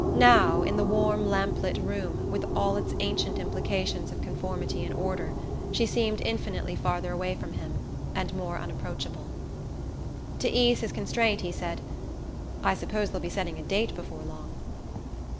Now, in the warm lamplit room, with all its ancient implications of conformity and order, she seemed infinitely farther away from him and more unapproachable. To ease his constraint he said: "I suppose they'll be setting a date before long."